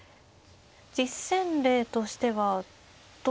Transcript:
実戦例としてはどうなんですか？